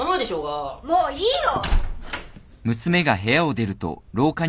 もういいよ。